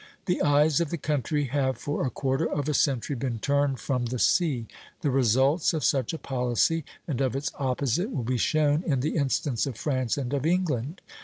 The eyes of the country have for a quarter of a century been turned from the sea; the results of such a policy and of its opposite will be shown in the instance of France and of England.